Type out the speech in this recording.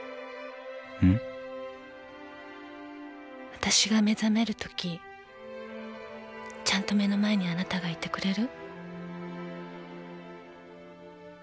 あたしが目覚めるときちゃんと目の前にあなたがいてくれる？